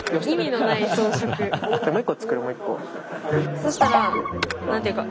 そしたら何て言うかこう。